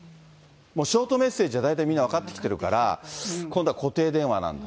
もうショートメッセージでは大体みんな分かってきてるから、今度は固定電話なんだ。